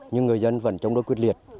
nhưng người dân vẫn chống đối quyết liệt